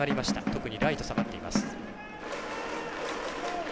特にライト、下がっています。